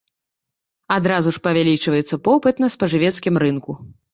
Адразу ж павялічваецца попыт на спажывецкім рынку.